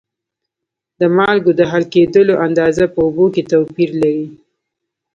د مالګو د حل کیدلو اندازه په اوبو کې توپیر لري.